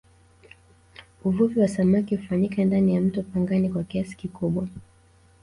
uvuvi wa samaki hufanyika ndani ya mto pangani kwa kiasi kikubwa